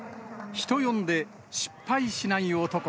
人呼んで、失敗しない男。